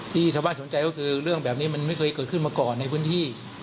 ที่ชาวบ้านสนใจก็คือเรื่องแบบนี้มันไม่เคยเกิดขึ้นมาก่อนในพื้นที่